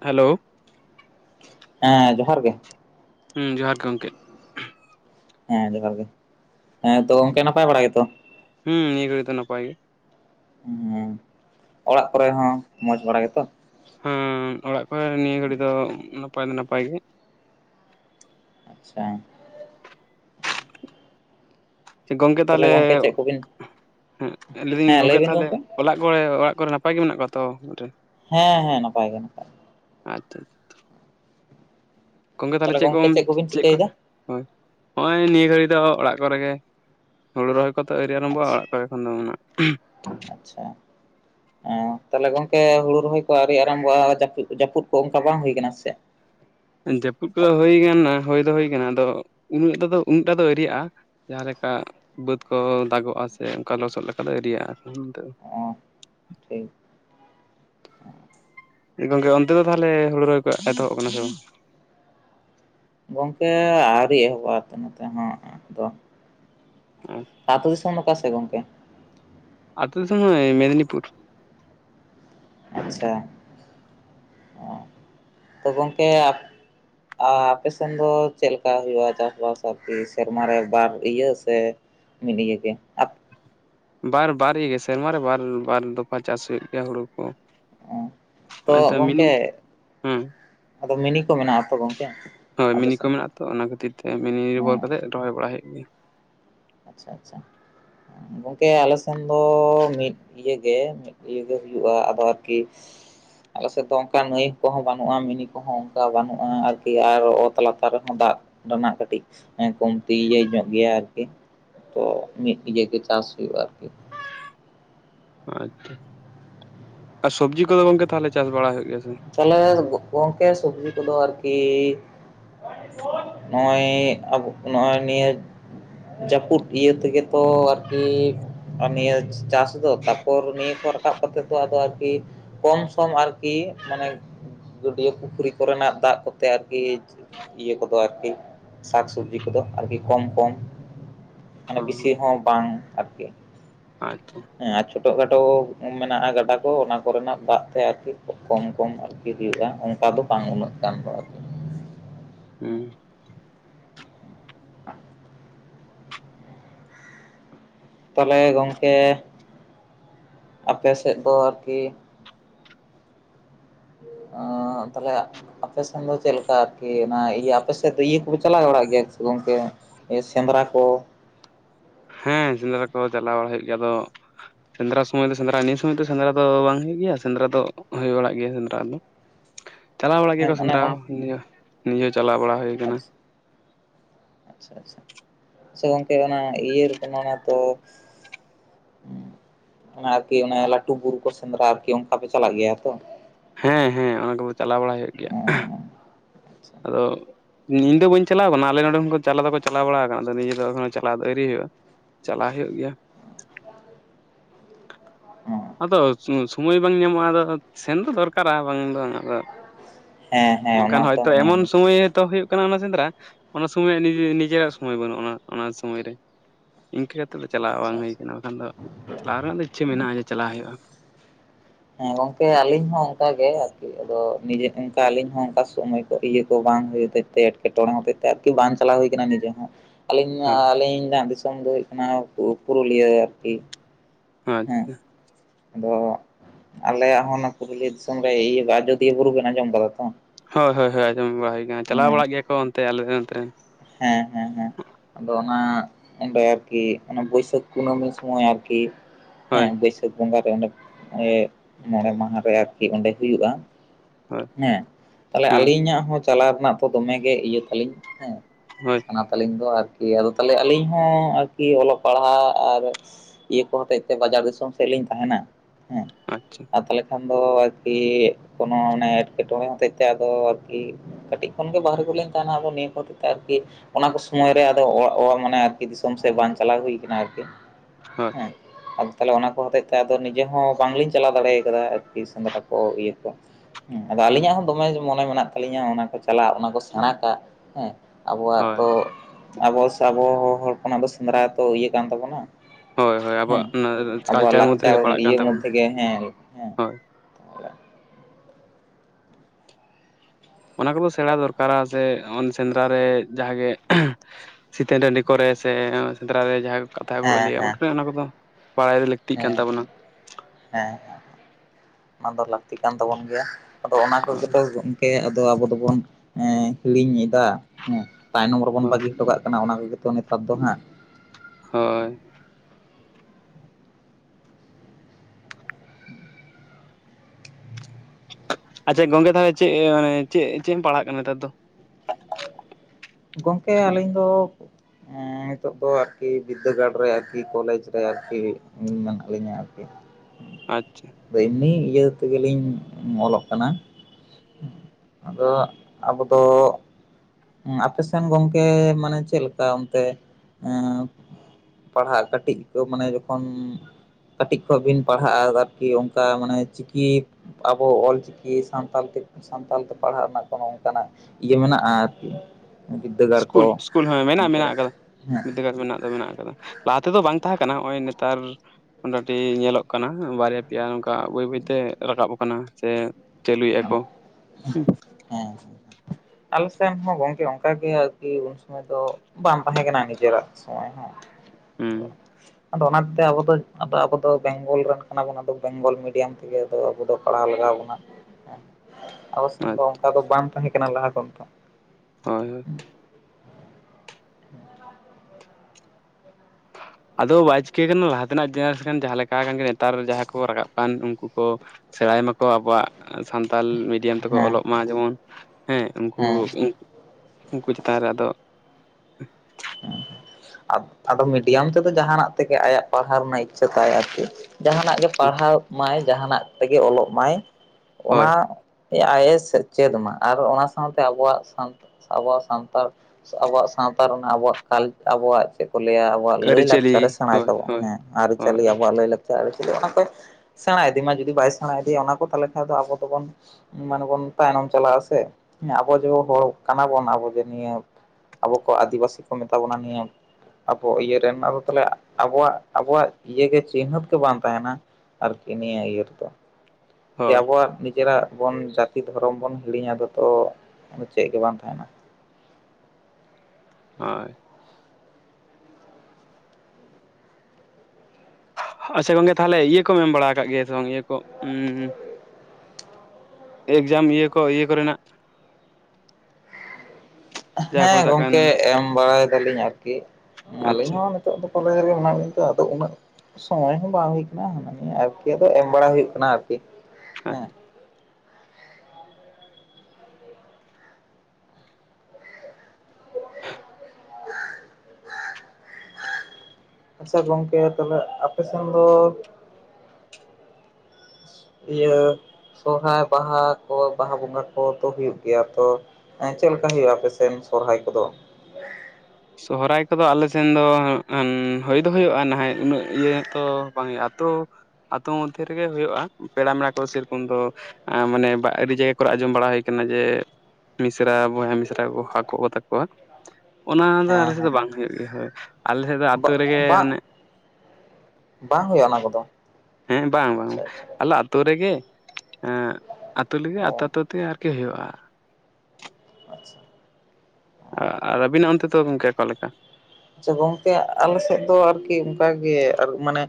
Hello ᱦᱮᱸ ᱡᱚᱦᱟᱨ ᱜᱮ ᱾ ᱦᱩᱸ ᱡᱚᱦᱟᱨ ᱜᱮ ᱜᱚᱢᱠᱮ ᱾ ᱦᱮᱸ ᱡᱚᱦᱟᱨ ᱜᱮ᱾ ᱦᱮᱸ ᱛᱚ ᱜᱚᱝᱠᱮ ᱱᱟᱯᱟᱭ ᱵᱟᱲᱟ ᱜᱮᱛᱚ? ᱦᱩᱸ ᱱᱤᱭᱟᱹ ᱜᱷᱟᱹᱲᱤ ᱫᱚ ᱱᱟᱯᱟᱭ ᱜᱮ ᱾ ᱦᱮᱸ ᱚᱲᱟᱜ ᱠᱚᱨᱮ ᱦᱚᱸ ᱢᱚᱸᱡᱽ ᱵᱟᱲᱟ ᱜᱮᱛᱚ? ᱦᱮᱸ ᱚᱲᱟᱜ ᱠᱚᱨᱮ ᱱᱤᱭᱟᱹ ᱜᱷᱟᱹᱲᱤ ᱫᱚ ᱱᱟᱯᱟᱭ ᱫᱚ ᱱᱟᱯᱟᱭ ᱜᱮ‌᱾ ᱟᱪᱪᱷᱟ᱾ ᱜᱚᱝᱠᱮ ᱛᱟᱦᱚᱞᱮ ᱜᱚᱝᱠᱮ ᱪᱮᱫ ᱠᱚᱵᱤᱱ ᱦᱮ, ᱸ ᱞᱮᱭᱮᱫᱟᱹᱧ ᱦᱮᱸ ᱜᱚᱢᱠᱮ ᱞᱟᱹᱭ ᱵᱤᱱ ᱛᱟᱦᱚᱞᱮ ᱜᱚᱝᱠᱮ ᱚᱞᱟᱜ ᱠᱚᱨᱮ ᱚᱲᱟᱜ ᱠᱚᱨᱮ ᱱᱟᱯᱟᱭ ᱜᱮ ᱢᱮᱱᱟᱜ ᱠᱚᱣᱟ ᱛᱚ [unintelligible] ᱴᱷᱮᱱ? ᱦᱮᱸ ᱦᱮᱸ ᱱᱟᱯᱟᱭ ᱜᱮ ᱱᱟᱯᱟᱭ [unintelligible] ᱜᱚᱝᱠᱮ ᱛᱟᱦᱚᱞᱮ ᱪᱮᱫ ᱠᱚᱢ ᱪᱮᱫ ᱠᱚ ᱦᱚᱭ ᱱᱚᱜᱼᱚᱭ ᱱᱤᱭᱟᱹ ᱜᱷᱟᱹᱲᱤᱡ ᱫᱚ ᱚᱲᱟᱜ ᱠᱚᱨᱮᱜ ᱜᱮ ᱾ ᱦᱩᱲᱩ ᱨᱚᱦᱚᱭ ᱠᱚᱫᱚ ᱟᱹᱣᱨᱤ ᱟᱮᱟᱢᱵᱚᱜ-ᱟ ᱟᱪᱪᱷᱟ ᱚᱲᱟᱜ ᱠᱚᱨᱮᱫ ᱮᱠᱷᱟᱱ ᱫᱚ ᱩᱱᱟᱹᱜ ᱟᱪᱪᱷᱟ᱾ ᱛᱟᱦᱚᱞᱮ ᱜᱚᱝᱠᱮ ᱦᱩᱲᱩ ᱨᱚᱦᱚᱭ ᱠᱚ ᱟᱨᱣᱨᱤ ᱟᱨᱟᱢᱵᱚᱜ-ᱟ ᱡᱟᱯᱩᱫ ᱡᱟᱹᱯᱩᱫ ᱠᱚ ᱚᱱᱠᱟ ᱵᱟᱝ ᱦᱩᱭ ᱠᱟᱱᱟ ᱥᱮ ᱡᱟᱹᱯᱩᱫ ᱠᱚᱫᱚ ᱦᱩᱭ ᱠᱟᱱᱟ ᱦᱩᱭ ᱫᱚ ᱦᱩᱭ ᱠᱟᱱᱟ ᱟᱫᱚ ᱩᱱᱟᱹᱜ ᱩᱱᱟᱹᱜᱴᱟᱜ ᱫᱚ ᱟᱨᱤᱭᱟᱜ-ᱟ᱾ ᱡᱟᱦᱟᱸ ᱞᱮᱠᱟ ᱵᱟᱹᱫᱽ ᱠᱚ ᱫᱟᱜᱚᱜ-ᱟ ᱥᱮ ᱚᱱᱠᱟ ᱞᱚᱥᱚᱫ ᱞᱮᱠᱟ ᱫᱚ ᱟᱹᱨᱤᱭᱟᱹᱜ-ᱟ᱾ ᱚ ᱴᱷᱤᱠ᱾ ᱜᱚᱝᱠᱮ ᱚᱱᱛᱮ ᱫᱚ ᱛᱟᱦᱚᱞᱮ ᱦᱩᱲᱩ ᱨᱚᱦᱚᱭ ᱠᱚ ᱮᱛᱚᱦᱚᱜ ᱠᱟᱱᱟ ᱥᱮ ᱵᱟᱝ? ᱜᱚᱝᱠᱮ ᱟᱹᱣᱨᱤ ᱮᱦᱚᱵᱚᱜᱛ ᱱᱚᱛᱮ ᱦᱚᱸᱫᱚ᱾ ᱦᱮᱸ᱾ ᱟᱹᱛᱩ ᱫᱤᱥᱚᱢ ᱫᱚ ᱚᱠᱟ ᱥᱮᱫ ᱜᱚᱝᱠᱮ? ᱟᱛᱳ ᱫᱤᱥᱚᱢ ᱢᱮᱫᱽᱱᱤᱯᱩᱨ ᱟᱪᱪᱷᱟ ᱛᱚ ᱜᱚᱢᱠᱮ ᱟᱨ ᱟᱯᱮ ᱥᱮᱱ ᱫᱚ ᱪᱮᱫ ᱞᱮᱠᱟ ᱦᱩᱭᱩᱜ-ᱟ ᱪᱟᱥᱵᱟᱥ ᱟᱨ ᱠᱤ ᱥᱮᱨᱢᱟ ᱨᱮ ᱵᱟᱨ ᱤᱭᱟᱹ ᱥᱮ ᱢᱤᱫ ᱤᱭᱟᱹ ᱜᱮ᱾ ᱵᱟᱨ ᱵᱟᱨ ᱤᱭᱟᱹ ᱜᱮ ᱥᱮᱨᱢᱟᱨ ᱨᱮ ᱵᱟᱨ ᱵᱟᱨ ᱫᱚᱯᱷᱟ ᱪᱟᱥ ᱦᱩᱭᱩᱜ ᱜᱮᱭᱟ ᱦᱩᱲᱩ ᱠᱚ᱾ ᱚ ᱛᱚ ᱱᱚᱛᱮ ᱢᱤᱱᱤ ᱜᱚᱢᱠᱮ ᱦᱮᱸ ᱟᱫᱚ ᱢᱤᱱᱤ ᱠᱚ ᱢᱮᱱᱟᱜ ᱟᱛᱚ ᱜᱚᱢᱠᱮ ᱦᱳᱭ ᱢᱤᱱᱤ ᱠᱚ ᱢᱮᱱᱟᱜ ᱟ ᱛᱚ ᱚᱱᱟ ᱠᱷᱟᱹᱛᱤᱨ ᱛᱮ ᱢᱤᱱᱤ ᱱᱤᱨᱵᱷᱚᱨ ᱦᱮᱸ ᱠᱟᱛᱮᱫ ᱨᱚᱦᱚᱭ ᱵᱟᱲᱟᱭ ᱦᱩᱭᱩᱜ ᱜᱮᱭᱟ᱾ ᱟᱪᱪᱷᱟ ᱟᱪᱪᱷᱟ ᱜᱚᱝᱠᱮ ᱟᱞᱮ ᱥᱮᱱ ᱫᱚ ᱢᱤᱫ ᱤᱭᱟᱹᱜᱮ ᱤᱭᱟᱹ ᱜᱮ ᱦᱩᱭᱩᱜ-ᱟ ᱟᱫᱚ ᱟᱨᱠᱤ ᱟᱞᱮ ᱥᱮᱫ ᱫᱚ ᱚᱱᱠᱟ ᱱᱟᱹᱭ ᱠᱚᱦᱚᱸ ᱵᱟᱹᱱᱩᱜ-ᱟ ᱢᱤᱱᱤ ᱠᱚᱦᱚᱸ ᱚᱱᱠᱟ ᱵᱟᱹᱱᱩᱜ-ᱟ ᱟᱨᱠᱤ ᱟᱨ ᱚᱛ ᱞᱟᱛᱟᱨ ᱨᱮᱦᱚᱸ ᱫᱟᱜ ᱨᱮᱱᱟᱜ ᱠᱟᱹᱴᱤᱡ ᱠᱚᱢᱛᱤ ᱧᱚᱜ ᱜᱮᱭᱟ ᱟᱨᱠᱤ ᱛᱚ ᱢᱤᱫ ᱤᱭᱟᱹ ᱜᱮ ᱪᱟᱥ ᱦᱩᱭᱩᱜ-ᱟ ᱟᱨᱠᱤ ᱟᱪᱪᱷᱟ ᱟᱨ ᱥᱚᱵᱡᱤ ᱠᱚᱫᱚ ᱜᱚᱝᱠᱮ ᱛᱟᱦᱚᱞᱮ ᱪᱟᱥ ᱵᱟᱲᱟ ᱦᱩᱭᱩᱜ ᱜᱮᱭᱟ ᱥᱮ ᱛᱟᱦᱚᱞᱮ ᱜᱚᱢᱠᱮ ᱥᱚᱵᱡᱤ ᱠᱚᱫᱚ ᱟᱨᱠᱤ ᱱᱚᱜ ᱟᱭ ᱱᱤᱭᱟᱹ ᱟᱵᱚ ᱱᱤᱭᱟᱹ ᱡᱟᱹᱯᱩᱫ ᱤᱭᱟᱹ ᱛᱮᱜᱮ ᱛᱚ ᱟᱨᱠᱤ ᱟᱨ ᱱᱤᱭᱟᱹ ᱪᱟᱥ ᱫᱚ ᱛᱟᱨᱯᱚᱨ ᱱᱤᱭᱟᱹ ᱠᱚ ᱨᱟᱠᱟᱵ ᱠᱟᱛᱮ ᱟᱫᱚ ᱟᱨᱠᱤ ᱠᱚᱢ ᱥᱚᱢ ᱟᱨᱠᱤ ᱢᱟᱱᱮ ᱜᱟᱹᱰᱤᱭᱟᱹ ᱯᱩᱠᱷᱨᱤ ᱠᱚᱨᱮᱱᱟᱜ ᱫᱟᱜ ᱠᱚᱛᱮ ᱟᱨᱠᱤ ᱤᱭᱟᱹ ᱠᱚᱫᱚ ᱟᱨᱠᱤ ᱥᱟᱠ ᱥᱚᱵᱡᱤ ᱠᱚᱫᱚ ᱟᱨᱠᱤ ᱠᱚᱢ ᱠᱚᱢ ᱢᱟᱱᱮ ᱚ ᱵᱮᱥᱤ ᱦᱚᱸ ᱵᱟᱝ ᱟᱨᱠᱤ ᱟᱪᱪᱷᱟ᱾ ᱦᱮᱸ ᱪᱷᱳᱴᱳ ᱠᱷᱟᱴᱚ ᱢᱮᱱᱟᱜ-ᱟ ᱜᱟᱰᱟ ᱠᱚ ᱚᱱᱟ ᱠᱚᱨᱮᱱᱟᱜ ᱫᱟᱜ ᱛᱮ ᱟᱨᱠᱤ ᱠᱚᱢ ᱠᱚᱢ ᱟᱨᱠᱤ ᱦᱩᱭᱩᱜ-ᱟ ᱚᱱᱠᱟ ᱫᱚ ᱵᱟᱝ ᱩᱱᱟᱹᱜ ᱜᱟᱱ ᱫᱚ ᱟᱨᱠᱤ ᱦᱮᱸ ᱦᱩᱸ᱾ [inaudible] ᱛᱟᱦᱚᱞᱮ ᱜᱚᱝᱠᱮ ᱟᱯᱮᱥᱮᱫ ᱫᱚ ᱟᱨᱠᱤ ᱟᱨ ᱛᱟᱦᱚᱞᱮ ᱟᱯᱮ ᱥᱮᱱ ᱫᱚ ᱪᱮᱫ ᱞᱮᱠᱟ ᱟᱨᱠᱤ ᱚᱱᱟ ᱤᱭᱟᱹ ᱟᱯᱮ ᱥᱮᱫ ᱫᱚ ᱤᱭᱟᱹ ᱠᱚᱯᱮ ᱪᱟᱞᱟᱣ ᱵᱟᱲᱟᱜ ᱜᱮᱭᱟ ᱥᱮ ᱜᱚᱝᱠᱮ? ᱥᱮᱸᱫᱽᱨᱟ ᱠᱚ ᱦᱮ ᱥᱮᱸᱫᱽᱨᱟ ᱠᱚ ᱪᱟᱞᱟᱣ ᱵᱟᱲᱟ ᱦᱩᱭᱩᱜ ᱜᱮᱭᱟ ᱟᱫᱚ ᱥᱮᱸᱫᱽᱨᱟ ᱥᱚᱢᱚᱭ ᱫᱚ ᱥᱮᱸᱫᱽᱨᱟ ᱱᱤᱭᱟᱹ ᱥᱚᱢᱚᱭ ᱫᱚ ᱥᱮᱸᱫᱽᱨᱟ ᱫᱚ ᱵᱟᱝ ᱦᱩᱭᱩᱜ ᱜᱮᱭᱟ ᱥᱮᱸᱫᱽᱨᱟ ᱫᱚ ᱦᱩᱭ ᱵᱟᱲᱟᱜ ᱜᱮᱭᱟ ᱥᱮᱸᱫᱽᱨᱟ ᱫᱚ᱾ ᱪᱟᱞᱟᱣ ᱵᱟᱲᱟ ᱦᱮᱸ ᱜᱮᱭᱟᱠᱚ ᱚᱱᱮ ᱥᱮᱸᱫᱽᱨᱟ ᱚᱱ ᱱᱤᱡᱮ ᱪᱟᱞᱟᱣ ᱵᱟᱲᱟ ᱦᱩᱭ᱾ ᱟᱠᱟᱱᱟ ᱟᱪᱪᱷᱟ ᱟᱪᱪᱷᱟ ᱟᱪᱪᱷᱟ᱾ ᱟᱪᱪᱷᱟ ᱜᱚᱢᱠᱮ ᱚᱱᱟ ᱤᱭᱟᱹ ᱠᱟᱱᱟ ᱚᱱᱟ ᱛᱚ ᱚᱱᱟ ᱟᱨᱠᱤ ᱚᱱᱮ ᱞᱟᱹᱴᱩ ᱵᱩᱨᱩ ᱠᱚ ᱥᱮᱸᱫᱽᱨᱟ ᱟᱨᱠᱤ ᱚᱱᱠᱟ ᱯᱮ ᱪᱟᱞᱟᱜ ᱜᱮᱭᱟ ᱛᱚ? ᱦᱮᱸ ᱦᱮᱸ ᱚᱱᱟ ᱠᱚᱫᱚ ᱪᱟᱞᱟᱣ ᱵᱟᱲᱟ ᱦᱩᱭᱩᱜ ᱜᱮᱭᱟ᱾ ᱟᱫᱚ ᱤᱧ ᱫᱚ ᱵᱟᱹᱧ ᱪᱟᱞᱟᱣ ᱟᱠᱟᱱᱟ ᱟᱞᱮ ᱱᱚᱰᱮ ᱠᱷᱚᱱ ᱪᱟᱞᱟ ᱫᱚᱠᱚ ᱪᱟᱞᱟᱣ ᱵᱟᱲᱟ ᱟᱠᱟᱱᱟ ᱟᱫᱚ ᱱᱤᱡᱮ ᱫᱚ ᱮᱠᱷᱚᱱᱟᱴᱚ ᱪᱟᱞᱟᱣ ᱫᱚ ᱟᱹᱣᱨᱤ ᱦᱩᱭᱩᱜ-ᱟ᱾ ᱪᱟᱞᱟᱜ ᱦᱩᱭᱩᱜ ᱜᱮᱭᱟ᱾ ᱟᱫᱚ ᱥᱩ ᱥᱩᱢᱚᱭ ᱵᱟᱝ ᱧᱟᱢᱚᱜ-ᱟ ᱟᱫᱚ ᱥᱮᱱ ᱫᱚ ᱫᱚᱨᱠᱟᱨᱟ ᱵᱟᱝ ᱫᱚ ᱵᱟᱝ ᱟᱫᱚ ᱦᱮᱸ ᱦᱮᱸ ᱚᱱᱟ ᱚᱱᱠᱟᱱ ᱛᱚ ᱦᱚᱭᱛᱚ ᱦᱮᱸ ᱮᱢᱚᱱ ᱜᱮ ᱥᱚᱢᱚᱭᱮ ᱛᱚ ᱦᱩᱭᱩᱜ ᱠᱟᱱᱟ ᱚᱱᱟ ᱥᱮᱸᱫᱽᱨᱟ ᱚᱱᱟ ᱥᱚᱢᱚᱭ ᱱᱤ-ᱱᱤᱡᱮᱨᱟᱜ ᱥᱚᱢᱳᱚᱭ ᱵᱟᱹᱱᱩᱜᱼᱟ ᱚᱱᱟ ᱚᱱᱟ ᱥᱳᱢᱚᱭ ᱨᱮ᱾ ᱤᱱᱠᱟᱹ ᱠᱟᱛᱮᱫ ᱫᱚ ᱪᱟᱞᱟᱣ ᱟᱪᱪᱷᱟ ᱵᱟᱝ ᱦᱩᱭ ᱟᱪᱪᱷᱟ ᱠᱟᱱᱟ ᱵᱟᱠᱷᱟᱱ ᱫᱚ ᱪᱟᱞᱟᱣ ᱨᱮᱱᱟᱜ ᱫᱚ ᱤᱪᱪᱷᱟᱹ ᱦᱩᱸ ᱢᱮᱱᱟᱜ-ᱟ ᱡᱮ ᱪᱟᱞᱟᱣ ᱦᱩᱭᱩᱜ-ᱟ᱾ [inaudible] ᱦᱮᱸ ᱜᱚᱝᱠᱮ ᱟᱞᱤᱧ ᱦᱚᱸ ᱚᱱᱠᱟ ᱜᱮ ᱟᱨᱠᱤ ᱟᱫᱚ ᱱᱤᱡᱮ ᱚᱱᱠᱟ ᱟᱞᱤᱧ ᱦᱚᱸ ᱚᱱᱠᱟ ᱥᱚᱢᱚᱭ ᱠᱚ ᱤᱭᱟᱹ ᱠᱚ ᱵᱟᱝ ᱦᱩᱭ ᱦᱚᱛᱮᱡ ᱛᱮ ᱮᱸᱴᱠᱮᱴᱚᱬᱮ ᱦᱚᱛᱮᱡ ᱛᱮ ᱟᱨᱠᱤ ᱵᱟᱝ ᱪᱟᱞᱟᱣ ᱦᱩᱭ ᱠᱟᱱᱟ ᱱᱤᱡᱮ ᱦᱚᱸ᱾ ᱦᱳᱭ ᱟᱹᱞᱤᱧᱟᱜ ᱟᱹᱞᱤᱧᱟᱜ ᱫᱤᱥᱚᱢ ᱫᱚ ᱦᱩᱭᱩᱜ ᱠᱟᱱᱟ ᱯᱩᱨᱩᱞᱤᱭᱟᱹ ᱟᱨᱠᱤ᱾ ᱦᱮᱸ ᱟᱪᱪᱷᱟ᱾ ᱟᱫᱚ ᱟᱞᱮᱭᱟᱜ ᱦᱚᱸ ᱚᱱᱟ ᱯᱩᱨᱩᱞᱤᱭᱟᱹ ᱫᱤᱥᱚᱢ ᱨᱮ ᱤᱭᱟᱹ ᱟᱡᱚᱫᱤᱭᱟᱹ ᱵᱩᱨᱩ ᱵᱮᱱ ᱟᱸᱡᱚᱢ ᱠᱟᱫᱟ ᱛᱚ? ᱦᱳᱭ ᱦᱳᱭ ᱦᱳᱭ ᱟᱸᱡᱚᱢ ᱵᱟᱲᱟ ᱦᱩᱭ ᱟᱠᱟᱱᱟ ᱪᱟᱞᱟᱣ ᱦᱮᱸ ᱵᱟᱲᱟᱜ ᱜᱮᱭᱟ ᱠᱚ ᱚᱱᱛᱮ ᱟᱞᱮ ᱥᱮᱫ ᱚᱱᱛᱮ ᱨᱮᱱ᱾ ᱦᱮᱸ ᱦᱮᱸ ᱦᱮᱸ᱾ ᱟᱫᱚ ᱚᱱᱟ ᱚᱸᱰᱮ ᱟᱨᱠᱤ ᱚᱱᱟ ᱵᱟᱹᱭᱥᱟᱹᱠᱷ ᱠᱩᱱᱟᱹᱢᱤ ᱥᱚᱢᱚᱭ ᱟᱨᱠᱤ ᱦᱮᱸ ᱦᱳᱭ ᱵᱟᱹᱭᱥᱟᱹᱠᱷ ᱵᱚᱸᱜᱟᱨᱮ ᱚᱸᱰᱮ ᱳᱭ ᱢᱚᱬᱮ ᱢᱟᱦᱟ ᱨᱮ ᱟᱨᱠᱤ ᱚᱸᱰᱮ ᱦᱩᱭᱩᱜ-ᱟ᱾ ᱦᱳᱭ ᱦᱮᱸ ᱛᱟᱦᱞᱮ ᱦᱮᱸ ᱟᱹᱞᱤᱧᱟᱜ ᱦᱚᱸ ᱪᱟᱞᱟᱣ ᱨᱮᱱᱟᱜ ᱫᱚ ᱫᱚᱢᱮ ᱜᱮ ᱤᱭᱟᱹ ᱛᱟᱞᱤᱧ ᱦᱮᱸ, ᱦᱳᱭ, ᱥᱟᱱᱟ ᱛᱟᱹᱞᱤᱧ ᱫᱚ ᱟᱨᱠᱤ ᱟᱫᱚ ᱛᱟᱦᱚᱞᱮ ᱟᱹᱞᱤᱧ ᱦᱚᱸ ᱟᱨᱠᱤ ᱚᱞᱚᱜ ᱯᱟᱲᱦᱟᱜ ᱟᱨ ᱤᱭᱟᱹ ᱠᱚ ᱦᱚᱛᱮᱡ ᱛᱮ ᱵᱟᱡᱟᱨ ᱫᱤᱥᱚᱢ ᱥᱮᱫ ᱞᱤᱧ ᱛᱟᱦᱮᱸᱱᱟ ᱦᱮᱸ, ᱟᱪᱪᱷᱟ, ᱟᱨ ᱛᱟᱦᱚᱞᱮ ᱠᱷᱟᱱ ᱫᱚ ᱟᱨᱠᱤ ᱠᱳᱱᱳ ᱢᱟᱱᱮ ᱮᱸᱴᱠᱮᱴᱚᱬᱮ ᱦᱚᱛᱮᱡ ᱛᱮ ᱟᱫᱚ ᱟᱨᱠᱤ ᱠᱟᱹᱴᱤᱡ ᱠᱷᱚᱱᱜᱮ ᱵᱟᱦᱨᱮ ᱠᱚᱞᱤᱧ ᱛᱟᱦᱮᱱᱟ ᱟᱫᱚ ᱱᱤᱭᱟᱹ ᱠᱚᱨᱮ ᱟᱨᱠᱤ ᱚᱱᱟ ᱠᱚ ᱥᱚᱢᱚᱭ ᱨᱮ ᱟᱫᱚ ᱚᱲᱟᱜ ᱚᱟᱜ ᱢᱟᱱᱮ ᱟᱨᱠᱤ ᱫᱤᱥᱚᱢ ᱥᱮᱫ ᱵᱟᱝ ᱪᱟᱞᱟᱣ ᱦᱩᱭ ᱟᱠᱟᱱᱟ ᱟᱨᱠᱤ᱾ ᱦᱳᱭ ᱦᱮᱸ᱾ ᱟᱫᱚ ᱛᱟᱦᱚᱞᱮ ᱚᱱᱟ ᱠᱚ ᱦᱚᱛᱮᱡ ᱛᱮ ᱟᱫᱚ ᱱᱤᱡᱮ ᱦᱚᱸ ᱵᱟᱝᱞᱤᱧ ᱪᱟᱞᱟᱣ ᱫᱟᱲᱮ ᱠᱟᱫᱟ ᱟᱨᱠᱤ ᱥᱮᱸᱫᱽᱨᱟ ᱠᱚ ᱤᱭᱟᱹ ᱠᱚ᱾ ᱦᱮᱸ ᱟᱫᱚ ᱟᱹᱞᱤᱧᱟᱜ ᱦᱚᱸ ᱫᱚᱢᱮ ᱢᱚᱱᱮ ᱢᱮᱱᱟᱜ ᱛᱟᱞᱤᱧᱟ ᱚᱱᱟ ᱠᱚ ᱪᱟᱞᱟᱜ, ᱚᱱᱟ ᱠᱚ ᱥᱮᱬᱟ ᱠᱟᱜ ᱦᱮᱸ, ᱟᱵᱚᱣᱟᱜ ᱦᱳᱭ ᱛᱚ ᱟᱵᱚ ᱥᱮ ᱟᱵᱚ ᱦᱚᱲ ᱦᱚᱯᱚᱱᱟᱜ ᱫᱚ ᱥᱮᱸᱫᱽᱨᱟ ᱛᱚ ᱤᱭᱟᱹ ᱠᱟᱱ ᱛᱟᱵᱚᱱᱟ ᱦᱳᱭ ᱦᱳᱭ ᱦᱮᱸ ᱟᱵᱚᱣᱟᱜ ᱚᱱᱟ ᱟᱵᱚᱣᱟᱜ ᱠᱟᱞᱪᱟᱨ ᱢᱚᱫᱽᱫᱷᱮ ᱞᱟᱠᱪᱟᱨ ᱨᱮᱜᱮ ᱯᱟᱲᱟᱜ ᱠᱟᱱ ᱤᱭᱟᱹ ᱛᱟᱵᱚᱱᱟ ᱢᱚᱫᱽᱫᱷᱮ ᱜᱮ ᱦᱮᱸ ᱦᱮᱸ ᱦᱳᱭ ᱦᱮᱸ ᱚᱱᱟ ᱠᱚᱫᱚ ᱥᱮᱬᱟ ᱫᱚᱨᱠᱟᱨᱟ ᱥᱮ ᱚᱱ ᱥᱮᱸᱫᱽᱨᱟ ᱨᱮ ᱡᱟᱦᱟᱸ ᱜᱮ᱾ ᱥᱤᱛᱟᱹ ᱰᱟᱹᱰᱤ ᱠᱚᱨᱮ ᱥᱮ ᱥᱮᱸᱫᱽᱨᱟ ᱨᱮ ᱡᱟᱦᱟᱸ ᱠᱟᱛᱷᱟ ᱠᱚ ᱞᱟᱹᱭᱟ ᱩᱱ ᱦᱮᱸ ᱚᱱᱟ ᱠᱚᱫᱚ ᱵᱟᱲᱟᱭ ᱞᱟᱹᱠ ᱦᱮᱸ, ᱦᱮᱸ, ᱚᱱᱟ ᱫᱚ ᱞᱟᱹᱠᱛᱤ ᱠᱟᱱ ᱛᱟᱵᱚᱱ ᱜᱮᱭᱟ᱾ ᱟᱫᱚ ᱚᱱᱟ ᱠᱚᱜᱮ ᱦᱳᱭ ᱛᱚ ᱜᱚᱢᱠᱮ ᱟᱫᱚ ᱟᱵᱚ ᱫᱚᱵᱚᱱ ᱮᱸ ᱦᱤᱲᱤᱧ ᱮᱫᱟ ᱦᱮᱸ᱾ ᱛᱟᱭᱱᱚᱢ ᱨᱮᱵᱚᱱ ᱵᱟᱹᱜᱤ ᱦᱚᱴᱚ ᱠᱟᱜ ᱠᱟᱱᱟ ᱚᱱᱟ ᱠᱚᱜᱮ ᱛᱚ ᱱᱮᱛᱟᱨ ᱫᱚ ᱦᱟᱸᱜ ᱦᱳᱭ, ᱟᱪᱪᱷᱟ ᱜᱚᱝᱠᱮ ᱛᱟᱦᱚᱞᱮ ᱪᱮᱫ ᱢᱟᱱᱮ ᱪᱮᱫ ᱪᱮᱫ ᱮᱢ ᱯᱟᱲᱦᱟᱜ ᱠᱟᱱᱟ ᱱᱮᱛᱟᱨ ᱫᱚ᱾ ᱜᱚᱢᱠᱮ ᱟᱹᱞᱤᱧ ᱫᱚ ᱱᱤᱛᱚᱜ ᱫᱚ ᱟᱨᱠᱤ ᱵᱤᱫᱽᱫᱟᱹᱜᱟᱲ ᱨᱮ ᱟᱨᱠᱤ ᱠᱚᱞᱮᱡᱽ ᱨᱮ ᱟᱨᱠᱤ ᱢᱮᱱᱟᱜ ᱞᱤᱧᱟ ᱟᱨᱠᱤ᱾ ᱟᱪᱪᱷᱟ᱾ ᱟᱫᱚ ᱮᱢᱱᱤ ᱤᱭᱟᱹ ᱛᱮᱜᱮᱞᱤᱧ ᱚᱞᱚᱜ ᱠᱟᱱᱟ, ᱟᱫᱚ ᱟᱵᱚ ᱫᱚ ᱟᱯᱮ ᱥᱮᱱ ᱜᱚᱝᱠᱮᱻ ᱢᱟᱱᱮ ᱪᱮᱫᱞᱮ ᱞᱮᱠᱟ ᱚᱱᱛᱮ? ᱮᱻ ᱯᱟᱲᱦᱟᱜ ᱠᱟᱹᱴᱤᱡ ᱠᱚ ᱢᱟᱱᱮ ᱡᱚᱠᱷᱚᱱ ᱠᱟᱹᱴᱤᱡ ᱠᱷᱚᱡ ᱵᱤᱱ ᱯᱟᱲᱦᱟᱜᱼᱟ ᱟᱨᱠᱤ ᱚᱱᱠᱟ ᱢᱟᱱᱮ ᱪᱤᱠᱤ ᱟᱵᱚ ᱚᱞᱪᱤᱠᱤ ᱥᱟᱱᱛᱟᱞ ᱛᱮ ᱥᱟᱱᱛᱟ ᱛᱮ ᱯᱟᱲᱦᱟᱜ ᱨᱮᱱᱟᱜ ᱠᱳᱚᱱᱚ ᱚᱱᱠᱟᱱᱟᱜ ᱤᱭᱟᱹ ᱢᱮᱱᱟᱜᱼᱟ [inaudible] ᱠᱚ ᱫᱠᱩᱞ ᱥᱠᱩᱞ ᱦᱮᱸ ᱢᱮᱱᱟᱜ ᱚᱱᱛᱮ ᱨᱮ ᱢᱮᱱᱟᱜ ᱟᱠᱟᱫᱟ ᱦᱮᱸ ᱵᱤᱫᱽᱫᱟᱹᱜᱟᱲ ᱢᱮᱱᱟᱜ ᱫᱚ ᱢᱮᱱᱟᱜ ᱟᱠᱟᱫᱟ᱾ ᱞᱟᱦᱟ ᱛᱮᱫᱚ ᱵᱟᱝ ᱛᱟᱦᱮᱸ ᱠᱟᱱᱟ ᱱᱚᱜᱼᱚᱭ ᱱᱮᱛᱟᱨᱻ ᱴᱟᱩᱴᱤ ᱧᱮᱞᱚᱜ ᱠᱟᱱᱟ, ᱵᱟᱨᱭᱟ ᱯᱮᱭᱟ ᱱᱚᱝᱠᱟ ᱵᱟᱹᱭ ᱵᱟᱹᱭᱛᱮ ᱨᱟᱠᱟᱵ ᱟᱠᱟᱱᱟ ᱥᱮ, ᱪᱟᱹᱞᱩᱭᱮᱜ-ᱟ ᱠᱚ ᱾ᱦᱩᱸ ᱦᱮᱸ ᱦᱮᱸ᱾ ᱟᱞᱮ ᱥᱮᱱ ᱦᱚᱸ ᱜᱚᱢᱠᱮ ᱚᱱᱠᱟ ᱜᱮ ᱟᱨᱠᱤ ᱩᱱ ᱥᱚᱢᱚᱭ ᱫᱚ, ᱵᱟᱝ ᱛᱟᱦᱮᱸ ᱠᱟᱱᱟ ᱱᱤᱡᱮᱨᱟᱜ ᱦᱩᱸ [unintelligible] ᱟᱫᱚ ᱚᱱᱟ ᱛᱮ ᱟᱵᱚ ᱫᱚ ᱟᱫᱚ ᱟᱵᱚ ᱫᱚ ᱵᱮᱝᱜᱚᱞ ᱨᱮᱱ ᱠᱟᱱᱟ ᱵᱚᱱ ᱟᱫᱚ ᱵᱮᱝᱜᱚᱞ ᱢᱤᱰᱤᱭᱟᱢ ᱛᱮᱜᱮ ᱟᱫᱚ ᱟᱵᱚ ᱫᱚ ᱯᱟᱲᱦᱟᱣ ᱞᱟᱜᱟᱣ ᱟᱵᱚᱱᱟ, ᱦᱮᱸ ᱟᱵᱚ ᱥᱮᱱ ᱦᱳᱭ ᱫᱚ ᱚᱱᱠᱟ ᱫᱚ ᱵᱟᱝ ᱛᱟᱦᱮᱸ ᱠᱟᱱᱟ ᱞᱟᱦᱟ ᱠᱷᱚᱱ ᱫᱚ᱾ ᱦᱳᱭ ᱦᱳᱭ᱾ [unintelligible] ᱟᱫᱚ ᱵᱟᱭ ᱪᱤᱠᱟᱹ ᱠᱟᱱᱟ ᱞᱟᱦᱟ ᱛᱮᱱᱟᱜ ᱡᱟᱸᱦᱟ ᱟᱠᱟᱱ ᱜᱮ ᱡᱟᱦᱟᱸ ᱞᱮᱠᱟ ᱠᱟᱱᱟ ᱱᱮᱛᱟᱨ ᱡᱟᱦᱟᱸᱭ ᱠᱚ ᱨᱟᱠᱟᱵ ᱠᱟᱱ ᱩᱱᱠᱩ ᱠᱚ ᱥᱮᱬᱟᱭ ᱢᱟᱠᱚ ᱟᱵᱚᱣᱟᱜ ᱥᱟᱱᱛᱟᱞ ᱢᱤᱫᱼᱼ ᱢᱤᱰᱤᱭᱟᱢ ᱛᱮᱠᱚ ᱦᱮᱸ ᱚᱞᱚᱜ ᱢᱟ ᱡᱮᱢᱚᱱ ᱦᱮᱸ, ᱩᱱᱠᱩ ᱦᱮᱸ ᱦᱚᱸ ᱩᱱᱠᱩ ᱪᱮᱛᱟᱱ ᱨᱮ ᱟᱫᱚ ᱦᱩᱸᱟᱫ ᱟᱫᱚ ᱢᱤᱰᱤᱭᱟᱢ ᱛᱮᱫᱚ ᱡᱟᱦᱟᱸᱱᱟᱜ ᱛᱮᱜᱮ ᱟᱭᱟᱜ ᱯᱟᱲᱦᱟᱣ ᱨᱮᱱᱟᱜ ᱤᱪᱪᱷᱟᱹ ᱛᱟᱭ ᱟᱨᱠᱤ᱾ ᱡᱟᱦᱟᱸᱱᱟᱜ ᱜᱮ ᱯᱟᱲᱦᱟᱜ ᱢᱟᱭ ᱡᱟᱦᱟᱸᱱᱟᱜ ᱛᱮᱜᱮ ᱚᱞᱚᱜ ᱢᱟᱭ ᱚᱱᱟᱼᱼ ᱦᱳᱭ ᱛᱮ ᱟᱭ ᱮ ᱪᱮᱫ ᱢᱟ ᱟᱨ ᱚᱱᱟ ᱥᱟᱶᱛᱮ ᱟᱵᱚᱣᱟᱜ ᱟᱵᱚᱣᱟᱜ ᱥᱟᱱᱛᱟᱲ ᱟᱵᱚᱣᱟᱜ ᱥᱟᱶᱛᱟ ᱨᱮᱱᱟᱜ ᱟᱵᱚᱣᱟᱜ ᱠᱟᱞ ᱟᱵᱚᱣᱟᱜ ᱪᱮᱫ ᱠᱚ ᱞᱟᱹᱭᱟ ᱟᱵᱚᱣᱟᱜ ᱞᱟᱹᱭ ᱟᱹᱨᱤᱪᱟᱹᱞᱤ ᱞᱟᱠᱪᱟᱨᱮ ᱥᱮᱬᱟᱭ ᱦᱳᱭ ᱛᱟᱵᱚᱱᱟ ᱦᱳᱭ ᱦᱮᱸ ᱦᱳᱭ ᱟᱹᱨᱤᱪᱟᱹᱞᱤ ᱟᱵᱚᱣᱟᱜ ᱞᱟᱹᱭ ᱞᱟᱠᱪᱟᱨ ᱟᱹᱨᱤᱪᱟᱹᱞᱤ ᱚᱱᱟ ᱠᱚ ᱥᱮᱬᱟ ᱤᱫᱤᱢᱟ ᱡᱩᱫᱤ ᱵᱟᱭ ᱥᱮᱬᱟ ᱤᱫᱤᱭᱟ ᱚᱱᱟ ᱠᱚ ᱛᱟᱦᱚᱞᱮ ᱠᱷᱟᱱ ᱫᱚ ᱟᱵᱚ ᱫᱚᱵᱚᱱ ᱢᱟᱱᱮ ᱵᱚᱱ ᱛᱟᱭᱱᱚᱢ ᱪᱟᱞᱟᱜ ᱟᱥᱮ, ᱟᱵᱚ ᱡᱮ ᱦᱚᱲ ᱠᱟᱱᱟ ᱵᱚᱱ ᱟᱵᱚ ᱡᱮ ᱱᱤᱭᱟᱹᱼᱼ ᱟᱵᱚ ᱠᱚ ᱟᱹᱫᱤᱵᱟᱹᱥᱤ ᱠᱚ ᱢᱮᱛᱟ ᱵᱚᱱᱟ ᱱᱤᱭᱟᱹᱼᱼ ᱟᱵᱚ ᱤᱭᱟᱹ ᱨᱮᱱ, ᱟᱫᱚ ᱛᱟᱦᱚᱞᱮ ᱟᱵᱚᱣᱟᱜ ᱟᱵᱚᱣᱟᱜ ᱤᱭᱮ ᱪᱤᱱᱦᱟᱹᱛ ᱜᱮ ᱵᱟᱝ ᱛᱟᱦᱮᱸᱱᱟ᱾ ᱟᱨᱠᱤ ᱱᱤᱭᱟᱹ ᱤᱭᱟᱹ ᱨᱮᱫᱚ ᱡᱮ ᱦᱳᱭ ᱟᱵᱚᱣᱟᱜ ᱱᱤᱡᱮᱨᱟᱜ ᱵᱚᱱ ᱪᱟᱨᱼᱼ ᱡᱟᱹᱛᱤ ᱫᱷᱚᱨᱚᱢ ᱵᱚᱱ ᱦᱤᱲᱤᱧᱟ ᱟᱫᱚ ᱛᱚ ᱪᱮᱫ ᱜᱮ ᱵᱟᱝ ᱛᱟᱦᱮᱸᱱᱟ᱾ ᱦᱳᱭ ᱟᱪᱪᱷᱟ ᱜᱚᱢᱠᱮ ᱛᱟᱦᱚᱞᱮ ᱤᱭᱟᱹ ᱠᱚᱢ ᱮᱢ ᱵᱟᱲᱟ ᱟᱠᱟᱫ ᱜᱮᱭᱟ ᱥᱮ ᱵᱟᱝ ᱤᱭᱟᱹ ᱠᱚ ᱩᱸᱻ ᱮᱠᱡᱟᱢ ᱤᱭᱟᱹ ᱠᱚ ᱤᱭᱟᱹ ᱠᱚᱨᱮᱱᱟᱜ? ᱡᱟᱦᱟᱸ ᱠᱚ ᱦᱮᱸ ᱢᱮᱛᱟᱜ ᱠᱟᱱ ᱜᱚᱢᱠᱮ ᱮᱢ ᱵᱟᱲᱟᱭ ᱫᱟᱞᱤᱧ ᱟᱨᱠᱤ᱾ ᱟᱹᱞᱤᱧ ᱟᱪᱪᱷᱟ ᱦᱚᱸ ᱱᱤᱛᱚᱜ ᱫᱚ ᱯᱟᱞᱮ ᱨᱮᱜᱮ ᱢᱮᱱᱟᱜ ᱵᱤᱱ ᱛᱚ ᱟᱫᱚ ᱩᱱᱟᱹᱜ ᱥᱚᱢᱚᱭ ᱦᱚᱸ ᱵᱟᱝ ᱦᱩᱭ ᱠᱟᱱᱟ ᱦᱟᱱᱟ ᱱᱤᱭᱟᱹ ᱟᱨᱠᱤ ᱟᱫᱚ ᱮᱢ ᱵᱟᱲᱟ ᱦᱩᱭᱩᱜ ᱠᱟᱱᱟ ᱟᱨᱠᱤ ᱦᱮᱸ [unintelligible] ᱟᱪᱪᱷᱟ ᱜᱚᱢᱠᱮ ᱛᱟᱦᱚᱞᱮ ᱟᱯᱮ ᱥᱮᱱ ᱫᱚ ᱤᱭᱟᱹ ᱥᱚᱦᱚᱨᱟᱭᱵᱟᱦᱟ ᱵᱟᱦᱟ ᱠᱚ ᱵᱟᱦᱟ ᱵᱚᱸᱜᱟ ᱠᱚᱫᱚ ᱦᱳᱭᱳᱜ ᱜᱮᱭᱟ ᱛᱚ? ᱮᱸ ᱪᱮᱫ ᱞᱮᱠᱟ ᱦᱳᱭᱳᱜ-ᱟ ᱟᱯᱮ ᱥᱮᱱ ᱥᱚᱦᱚᱨᱟᱭ ᱠᱚᱫᱚ? ᱥᱚᱦᱚᱨᱟᱭ ᱠᱚᱫᱚ ᱟᱞᱮ ᱥᱮᱱ ᱫᱚ ᱦᱳᱭ ᱫᱚ ᱦᱳᱭᱳᱜ-ᱟ ᱱᱟᱦᱟᱜ ᱩᱱᱟᱹᱜ ᱤᱭᱟᱹ ᱛᱚ ᱵᱟᱝ ᱦᱳᱭᱳᱜ-ᱟ ᱟᱛᱳᱼᱼ ᱟᱛᱳ ᱢᱚᱫᱽᱫᱷᱮ ᱨᱮᱜᱮ ᱦᱳᱭᱳᱜ-ᱟ, ᱯᱮᱲᱟ ᱢᱮᱲᱟ ᱠᱚ ᱥᱮᱨᱚᱠᱚᱢ ᱫᱚᱼᱼᱼ ᱢᱟᱱᱮ ᱟᱹᱰᱤ ᱡᱟᱭᱜᱟ ᱠᱚᱨᱮ ᱟᱸᱡᱚᱢ ᱵᱟᱲᱟ ᱦᱳᱭ ᱠᱟᱱᱟ ᱡᱮ ᱢᱤᱥᱨᱟ, ᱵᱚᱭᱦᱟ ᱢᱤᱥᱨᱟ ᱠᱚᱠᱚ ᱦᱚᱦᱚ ᱟᱠᱚ ᱛᱟᱠᱚᱣᱟ᱾ ᱚᱱᱟ ᱫᱚ ᱦᱮᱸ ᱟᱞᱮ ᱥᱮᱫ ᱫᱚ ᱦᱮᱸ ᱵᱟᱝ ᱦᱩᱭᱩᱜ ᱜᱮᱭᱟ ᱦᱳᱭ, ᱟᱞᱮ ᱥᱮᱫ ᱫᱚ ᱵᱟ ᱟᱛᱳ ᱨᱮᱜᱮ ᱵᱟᱝ ᱢᱟᱱᱮ ᱵᱟᱝ ᱦᱳᱭᱳᱜ-ᱟ ᱚᱱᱟ ᱠᱚᱫᱚ᱾ ᱦᱮᱸ ᱵᱟᱝ ᱵᱟᱝ, ᱟᱪᱪᱷᱟ ᱟᱪᱪᱷᱟ ᱟᱞᱮ ᱟᱛᱳ ᱨᱮᱜᱮ‌, ᱮᱸ ᱟᱛᱳ ᱞᱮᱜᱮ ᱟᱛᱳ ᱚ ᱟᱛᱳ ᱛᱮ ᱟᱨ ᱠᱤ ᱦᱳᱭᱳᱜ-ᱟ᱾ ᱟᱪᱪᱷᱟ᱾ ᱚ ᱟ ᱟᱨ ᱟᱹᱵᱤᱱᱟᱜ ᱚᱱᱛᱮ ᱫᱚ ᱜᱚᱝᱠᱮ ᱚᱠᱟ‌ ᱞᱮᱠᱟ? ᱟᱪᱷᱟ ᱜᱚᱝᱠᱮ ᱟᱞᱮ ᱥᱮᱫ ᱫᱚ ᱟᱨᱠᱤ ᱚᱱᱠᱟ ᱜᱮ ᱟᱨ ᱢᱟᱱᱮ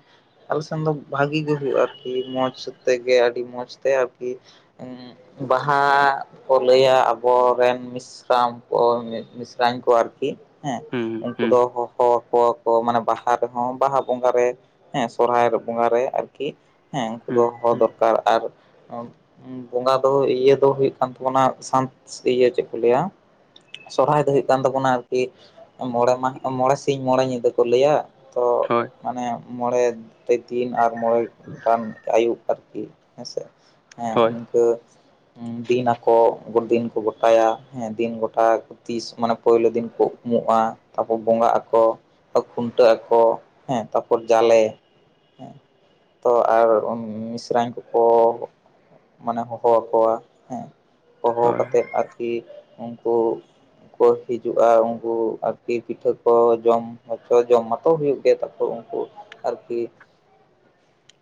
ᱟᱞᱮ ᱥᱮᱱ ᱫᱚ ᱵᱷᱟᱜᱤ ᱜᱮ ᱦᱩᱭᱩᱜ-ᱟ ᱟᱨᱠᱤ ᱢᱚᱸᱡᱽ ᱥᱟᱛᱮᱜᱮ ᱟᱹᱰᱤ ᱢᱚᱸᱡᱽ ᱛᱮ ᱟᱨᱠᱤ ᱩᱸ ᱵᱟᱦᱟ ᱠᱚ ᱞᱟᱹᱭᱟ ᱟᱵᱚ ᱨᱮᱱ ᱢᱤᱥ ᱥᱨᱟᱢ‌ ᱠᱚ ᱢᱤ ᱢᱤᱥᱨᱟᱧ ᱠᱚ ᱟᱨᱠᱤ ᱦᱮᱸ, ᱦᱩᱸ ᱩᱱᱠᱩ ᱦᱩᱸ ᱫᱚ ᱦᱚᱦᱚ ᱟᱠᱚᱣᱟᱠ ᱠᱚ ᱢᱟᱱᱮ ᱵᱟᱦᱟ ᱨᱮᱦᱚᱸ ᱵᱟᱦᱟ ᱵᱚᱸᱜᱟ ᱨᱮ ᱦᱮᱸ ᱥᱚᱨᱦᱟᱭ ᱵᱚᱸᱜᱟ ᱨᱮ ᱟᱨ ᱠᱤ ᱦᱮᱸ ᱦᱮᱸ, ᱩᱱᱠᱩ ᱫᱚ ᱦᱩᱸ ᱦᱚᱦᱚ ᱦᱩᱸ ᱫᱚᱨᱠᱟᱨ, ᱟᱨ ᱩᱸ ᱵᱚᱸᱜᱟ ᱫᱚ ᱤᱭᱟᱹ ᱫᱚ ᱦᱩᱭᱩᱜ ᱠᱟᱱ ᱛᱟᱵᱚᱱᱟ ᱥᱟᱱᱛ ᱤᱭᱟᱹ ᱪᱮᱫ ᱠᱚ ᱞᱮᱭᱟ? ᱥᱚᱦᱨᱟᱭ ᱫᱚ ᱦᱩᱭᱩᱜ ᱠᱟᱱ ᱛᱟᱵᱚᱱᱟ ᱟᱨᱠᱤ, ᱢᱚᱬᱮ ᱢᱟ ᱢᱚᱬᱮ ᱥᱤᱧ ᱢᱚᱬᱮ ᱧᱤᱫᱟᱹ ᱠᱚ ᱞᱮᱭᱟ, ᱛᱚ ᱦᱳᱭ ᱢᱟᱱᱮ ᱢᱚᱬᱮ ᱴᱮ ᱫᱤᱱ ᱟᱨ ᱢᱚᱬᱮ ᱜᱚᱴᱟᱱ ᱟᱹᱭᱩᱵ ᱟᱨᱠᱤ, ᱦᱮᱸ ᱥᱮ ᱦᱮᱸ ᱦᱳᱭ ᱤᱱᱠᱟᱹ ᱫᱤᱱ ᱟᱠᱚ ᱫᱤᱱ ᱠᱚ ᱜᱚᱴᱟᱭᱟ ᱦᱮᱸ ᱫᱤᱱ ᱜᱚᱴᱟ ᱛᱤᱥ ᱢᱟᱱᱮ ᱯᱳᱭᱞᱳ ᱫᱤᱱ ᱠᱚ ᱩᱢᱩᱜᱼᱟ᱾ ᱛᱟᱯᱚᱨ ᱵᱚᱸᱜᱟᱜ-ᱟ ᱠᱚ, ᱟ ᱠᱷᱩᱱᱴᱟᱹᱜ-ᱟ ᱠᱚ, ᱦᱮᱸ ᱛᱟᱯᱚᱨ ᱡᱟᱞᱮ᱾ ᱛᱚ ᱟᱨ ᱩᱸ ᱢᱤᱥᱨᱟᱧ ᱠᱚᱠᱚ ᱢᱟᱱᱮ ᱦᱚᱦᱚᱣᱟᱠᱚᱣᱟ ᱦᱮᱸ᱾ ᱦᱚᱦᱚ ᱦᱳᱭ ᱠᱟᱛᱮᱫ ᱟᱨᱠᱤ ᱩᱱᱠᱩ ᱠᱚ ᱦᱤᱡᱩᱜᱼᱟ ᱩᱱᱠᱩ ᱟ ᱛᱤ ᱯᱤᱴᱷᱟᱹ ᱠᱚ ᱡᱚᱢ ᱦᱚᱪᱚ ᱡᱚᱢ ᱢᱟᱛᱚ ᱦᱩᱭᱩᱜ ᱜᱮᱭᱟ ᱛᱟᱯᱚᱨ ᱩᱱᱠᱩ ᱟᱨᱠᱤ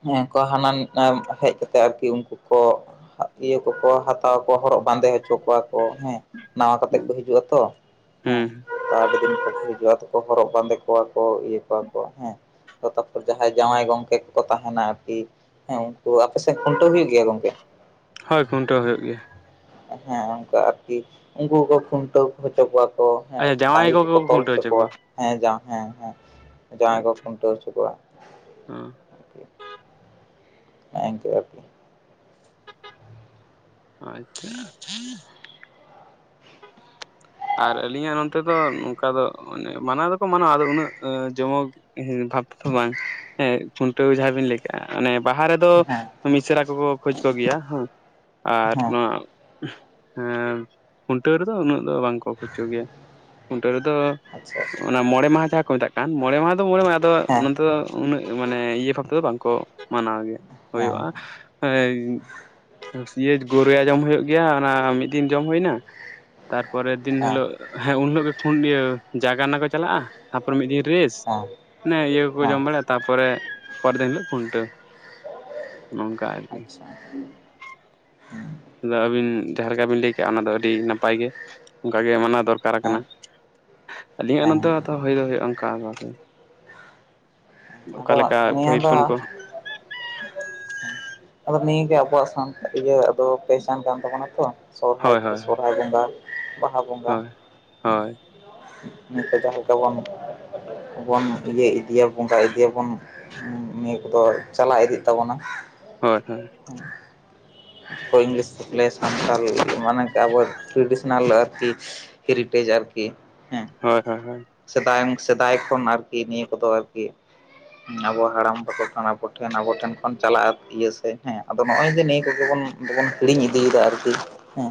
ᱦᱮᱸ ᱠᱟ ᱦᱟᱱᱟᱱ ᱮᱸ ᱦᱮᱡ ᱠᱟᱛᱮ ᱟᱨᱠᱤ ᱩᱱᱠᱩ ᱠᱚ ᱤᱭᱟᱹ ᱠᱚᱠᱚ ᱦᱟᱛᱣᱟ ᱠᱚᱣᱟ ᱦᱚᱨᱚᱜ ᱵᱟᱸᱫᱮ ᱪᱚ ᱠᱚᱣᱟ ᱠᱚ ᱦᱮᱸ, ᱱᱟᱣᱟ ᱠᱟᱛᱮᱜ ᱠᱚ ᱦᱤᱡᱩᱜᱼᱟ ᱛᱚ ᱦᱩᱸ ᱦᱮᱸ, [unintelligible] ᱦᱤᱡᱩᱜᱼᱟ ᱛᱚᱠᱚ ᱦᱚᱨᱚᱜ ᱵᱟᱸᱫᱮ ᱠᱚᱣᱟ ᱠᱚ ᱤᱭᱟᱹ ᱠᱚᱣᱟ ᱠᱚ ᱦᱮᱸ᱾ ᱛᱚ ᱛᱟᱯᱚᱨ ᱡᱟᱦᱟᱸᱭ ᱡᱟᱶᱟᱭ ᱜᱚᱝᱠᱮ ᱠᱚᱠᱚ ᱛᱟᱦᱮᱱᱟ ᱟᱨᱠᱤ, ᱦᱮᱸ ᱩᱱᱠᱩ ᱟᱯᱮ ᱥᱮᱫ ᱠᱷᱩᱱᱴᱟᱹᱣ ᱦᱩᱭᱩᱜ ᱜᱮᱭᱟ ᱜᱚᱝᱠᱮ? ᱦᱳᱭ ᱠᱷᱩᱱᱴᱟᱹᱣ ᱦᱳᱭᱳᱜ ᱜᱮᱭᱟ᱾ ᱦᱮᱸ ᱚᱱᱠᱟ ᱟᱨᱠᱤ ᱩᱱᱠᱩ ᱠᱚ ᱠᱷᱩᱱᱴᱟᱹᱣ ᱦᱚᱪᱚ ᱠᱚᱣᱟ ᱠᱚ ᱦᱮᱸ, ᱰᱟᱝᱨᱤ ᱠᱚᱠᱚ ᱛᱚᱞ ᱦᱚᱪᱚ ᱠᱚᱣᱟ᱾ ᱦᱮᱸ ᱡᱟᱸ ᱦᱮᱸ ᱦᱮᱸ, ᱡᱟᱶᱟᱭ ᱠᱚ ᱠᱷᱩᱱᱴᱟᱹᱣ ᱦᱚᱪᱚ ᱠᱚᱣᱟ᱾ ᱦᱩᱸ᱾ ᱦᱮᱸᱜ ᱤᱱᱠᱟᱹ ᱟᱨᱠᱤ ᱟᱪᱪᱷᱟ᱾ ᱟᱨ ᱟᱹᱞᱤᱧᱟᱜ ᱱᱚᱱᱛᱮ ᱫᱚ ᱱᱚᱝᱠᱟ ᱫᱚ ᱢᱟᱱᱮ ᱢᱟᱱᱟᱣ ᱫᱚᱠᱚ ᱢᱟᱱᱟᱣᱟ ᱟᱫᱚ ᱩᱱᱟᱹᱜ ᱮᱸ ᱡᱚᱢᱚᱠ ᱦᱮ ᱵᱷᱟᱵ ᱛᱚ ᱵᱟᱝ ᱦᱮᱸ ᱯᱷᱩᱱᱴᱷᱟᱹᱣ ᱡᱟᱦᱟᱸ ᱵᱤᱱ ᱞᱟᱹᱭ ᱠᱟ ᱚᱱᱮ ᱵᱟᱦᱟ ᱨᱮᱫᱚ ᱦᱮᱸ ᱢᱤᱥᱨᱟ ᱠᱚᱠᱚ ᱠᱷᱚᱡᱽ ᱠᱚᱜᱮᱭᱟ ᱦᱮᱸ, ᱟᱨ ᱦᱮᱸ ᱱᱚᱣᱟ ᱦᱮᱸ ᱠᱷᱩᱱᱴᱟᱹᱣ ᱨᱮᱫᱚ ᱩᱱᱟᱹᱜ ᱫᱚ ᱵᱟᱝ ᱠᱚ [unintelligible] ᱜᱮᱭᱟ ᱠᱷᱩᱱᱴᱟᱹᱣ ᱨᱮᱫᱚ ᱟᱪᱪᱷᱟ ᱚᱱᱟ ᱢᱚᱬᱮ ᱢᱟᱦᱟ ᱡᱟᱦᱟᱸ ᱠᱚ ᱢᱮᱛᱟᱜ ᱠᱟᱱ ᱢᱚᱬᱮ ᱢᱟᱦᱟ ᱫᱚ ᱢᱚᱬᱮ ᱢᱟᱦᱟ ᱟᱫᱚ ᱦᱮᱸ ᱱᱚᱱᱛᱮ ᱫᱚ ᱩᱱᱟᱹᱜ ᱢᱟᱱᱮ ᱤᱭᱟᱹ ᱵᱷᱟᱵ ᱛᱮᱫᱚ ᱵᱟᱝᱠᱚ ᱢᱟᱱᱟᱣ ᱜᱮᱭᱟ᱾ ᱦᱮᱸ ᱦᱮᱸ ᱦᱳᱭᱳᱜᱼᱟ ᱮᱸ [unintelligible] ᱜᱳᱨᱳᱭᱟ ᱡᱚᱢ ᱦᱩᱭᱩᱜ ᱜᱮᱭᱟ ᱚᱱᱟ ᱢᱤᱫ ᱫᱤᱱ ᱡᱚᱢ ᱦᱳᱭᱱᱟ ᱛᱟᱨᱯᱚᱨᱮᱨ ᱫᱤᱱ ᱦᱮᱸ ᱦᱮᱸ ᱦᱤᱞᱳᱜ ᱦᱮᱸ ᱩᱱ ᱦᱤᱞᱳᱜ ᱜᱮ ᱯᱷᱳᱱ ᱤᱭᱟᱹ ᱡᱟᱜᱟᱱᱟ ᱠᱚ ᱪᱟᱞᱟᱼᱟ, ᱛᱟᱯᱚᱨ ᱢᱤᱫ ᱫᱤᱱ ᱨᱮᱥ ᱚᱱᱮ ᱤᱭᱟᱹ ᱠᱚᱠᱚ ᱡᱚᱢ ᱵᱟᱲᱟ᱾ ᱛᱟᱯᱚᱨᱮ ᱯᱚᱨ ᱫᱤᱱ ᱦᱤᱞᱳ ᱠᱷᱩᱱᱴᱟᱹᱣ, ᱱᱚᱝᱠᱟ ᱟᱨᱠᱤ᱾ [unintelligible] ᱫᱟ ᱟᱹᱵᱤᱱ ᱡᱟᱦᱟᱸ ᱞᱮᱠᱟ ᱵᱤᱱ ᱞᱟᱹᱭ ᱠᱮᱜᱼᱟ, ᱚᱱᱟ ᱫᱚ ᱟᱹᱰᱤ ᱱᱟᱯᱟᱭ ᱜᱮ ᱚᱱᱠᱟ ᱜᱮ ᱢᱟᱱᱟᱣ ᱫᱚᱨ ᱠᱟᱨᱟ ᱦᱮᱸ ᱠᱟᱱᱟ ᱟᱹᱞᱤᱧᱟᱜ ᱦᱮᱸ ᱱᱚᱛᱮ ᱦᱚᱛᱚ ᱦᱩᱭ ᱫᱚ ᱦᱩᱭᱩᱜᱼᱟ ᱚᱱᱠᱟ ᱫᱚ ᱠᱤ ᱟᱫᱚ ᱚᱠᱟᱞᱮᱠᱟ ᱱᱤᱭᱟᱹ ᱯᱟᱹᱦᱤᱞ ᱫᱚ ᱠᱷᱚᱱ ᱠᱚ ᱟᱫᱚ ᱱᱤᱭᱟᱹᱜᱮ ᱟᱵᱚᱣᱟᱜ ᱥᱟᱱ ᱤᱭᱟᱹ ᱟᱫᱚ ᱯᱮᱥᱟᱱ ᱠᱟᱱ ᱛᱟᱵᱚᱱᱟ ᱛᱚ, ᱥᱚᱨᱦᱟᱭ ᱦᱳᱭ ᱛᱮ ᱠᱚ ᱦᱳᱭ ᱥᱚᱨᱦᱟᱭ ᱵᱚᱸᱜᱟ᱾ ᱵᱟᱦᱟ ᱵᱚᱸᱜᱟ, ᱦᱳᱭ ᱦᱳᱭ ᱱᱤᱛᱚᱜ ᱡᱟᱦᱟᱸ ᱞᱮᱠᱟ ᱵᱚᱱ ᱵᱚᱱ ᱤᱭᱟᱹ ᱤᱫᱤᱭᱟ ᱵᱚᱸᱜᱟ ᱤᱫᱤᱭᱟᱵᱚᱱ᱾ ᱱᱤᱭᱟᱹ ᱠᱚᱫᱚ ᱪᱟᱞᱟᱣ ᱤᱫᱤᱜ ᱛᱟᱵᱚᱱᱟ᱾ ᱦᱳᱭ ᱦᱳᱭ᱾ [unintelligible] ᱦᱳᱭ ᱤᱝᱞᱤᱥ ᱞᱮᱥ ᱥᱟᱱᱛᱟᱞ ᱢᱟᱱᱮ ᱠᱟᱜᱚᱡ ᱴᱨᱮᱰᱤᱥᱚᱱᱟᱞ ᱟᱨᱠᱤ ᱦᱮᱨᱤᱴᱮᱡᱽ ᱟᱨᱠᱤ ᱦᱮᱸ᱾ ᱦᱳᱭ ᱦᱳᱭ ᱦᱳᱭ᱾ ᱥᱮᱫᱟᱭᱚᱝ ᱥᱮᱫᱟᱭ ᱠᱷᱚᱱ ᱟᱨᱠᱤ ᱱᱤᱭᱟᱹ ᱠᱚᱫᱚ ᱟᱨᱠᱤ ᱱᱟᱵᱚ ᱦᱟᱲᱟᱢ ᱵᱟᱠᱚ ᱴᱷᱮᱱ ᱟᱵᱚ ᱴᱷᱮᱱ ᱟᱵᱚ ᱴᱷᱮᱱ ᱠᱷᱚᱱ ᱪᱟᱞᱟ-ᱟ ᱤᱭᱟᱹ ᱥᱮ ᱦᱮᱸ ᱟᱫᱚ ᱱᱚᱼᱚᱭ ᱡᱮ ᱱᱮᱭ ᱠᱚᱜᱮ ᱵᱚᱱ ᱫᱚᱵᱚᱱ ᱦᱤᱲᱤᱧ ᱤᱫᱤᱭᱮᱫᱟ ᱟᱨᱠᱤ ᱦᱮᱸ᱾